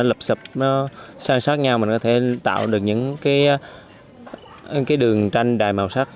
đập sập nó sang sát nhau mình có thể tạo được những cái đường tranh đài màu sắc